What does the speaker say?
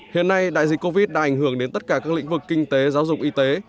hiện nay đại dịch covid đã ảnh hưởng đến tất cả các lĩnh vực kinh tế giáo dục y tế